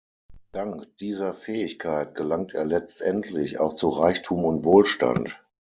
Dank dieser Fähigkeit gelangt er letztendlich auch zu Reichtum und Wohlstand.